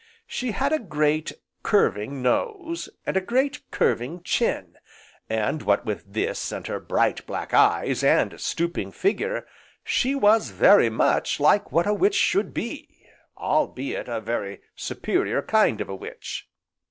She had a great, curving nose, and a great, curving chin, and what with this and her bright, black eyes, and stooping figure, she was very much like what a witch should be, albeit a very superior kind of old witch.